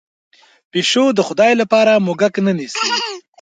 پشو د خدای لپاره موږک نه نیسي.